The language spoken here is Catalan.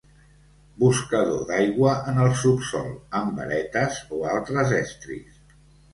Buscadors d'aigua en el subsòl amb varetes o altres estris.